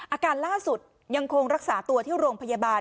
อาการล่าสุดยังคงรักษาตัวที่โรงพยาบาล